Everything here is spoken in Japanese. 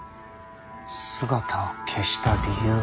姿を消した理由は何か。